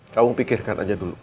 kamu pikirkan aja dulu